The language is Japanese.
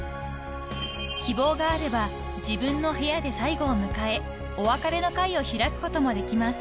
［希望があれば自分の部屋で最期を迎えお別れの会を開くこともできます］